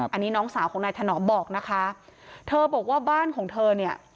อันนี้น้องสาวของนายถนอมบอกนะคะเธอบอกว่าบ้านของเธอเนี่ย